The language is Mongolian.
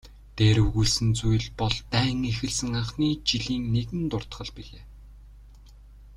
Дээр өгүүлсэн зүйл бол дайн эхэлсэн анхны жилийн нэгэн дуртгал билээ.